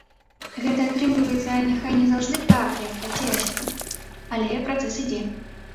Гэта атрымліваецца, няхай не заўжды так, як хацелася б, але працэс ідзе.